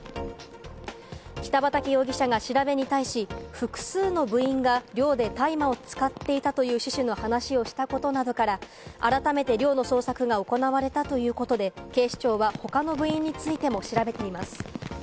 北畠容疑者が調べに対し、複数の部員が寮で大麻を使っていたという趣旨の話をしたことなどから、改めて寮の捜索が行われたということで、警視庁は他の部員についても調べています。